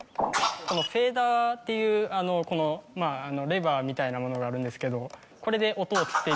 このフェーダーっていうレバーみたいなものがあるんですけど。